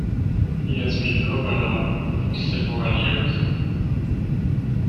He has been governor for several years.